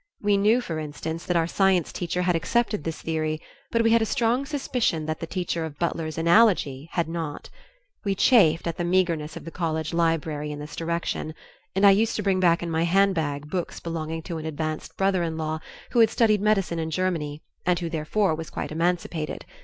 We knew, for instance, that our science teacher had accepted this theory, but we had a strong suspicion that the teacher of Butler's "Analogy" had not. We chafed at the meagerness of the college library in this direction, and I used to bring back in my handbag books belonging to an advanced brother in law who had studied medicine in Germany and who therefore was quite emancipated.